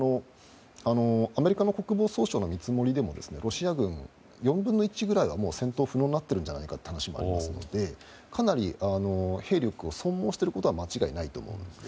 アメリカの国防総省の見積もりでもロシア軍の４分の１くらいはもう戦闘不能になっているんじゃないかという話がありますのでかなり兵力を損耗していることは間違いないと思います。